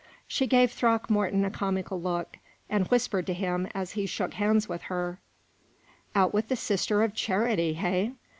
She gave Throckmorton a comical look, and whispered to him as he shook hands with her: "Out with the Sister of Charity, hey?